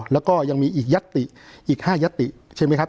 แล้วก็ยังมีอีกยัตติอีก๕ยัตติใช่ไหมครับ